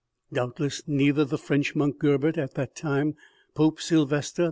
Doubtless, neither the French monk Gerbert, at that time Pope Sylvester II.